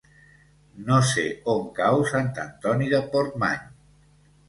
No sé on cau Sant Antoni de Portmany.